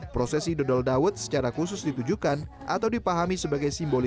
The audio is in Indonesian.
prosesi dodol dawet secara khusus ditujukan atau dipahami sebagai simbol